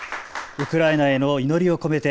ウクライナへの祈りを込めて。